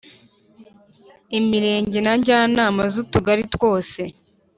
Imirenge na njyanama z’utugari twose.